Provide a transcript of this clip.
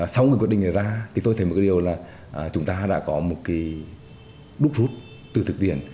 sau quyết định ra tôi thấy một điều là chúng ta đã có một đúc rút từ thực tiện